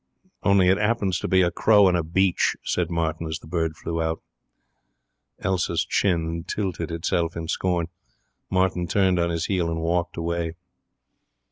'Only it happens to be a crow in a beech,' said Martin, as the bird flew out. Elsa's chin tilted itself in scorn. Martin turned on his heel and walked away.